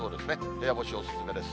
部屋干しお勧めです。